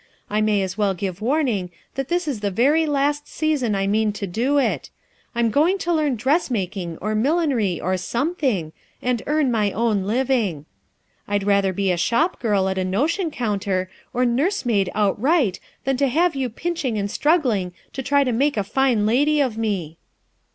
I may as well give warning that this is the very last season I mean to do it. I'm going to learn dressmaking, or millineiy, or something, and earn my own living. I'd rather be a shop girl at a notion counter, or nursemaid outright than to have you pinching and struggling to try to make a fine lady of rue."